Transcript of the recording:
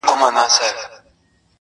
همدا اوس وايم درته.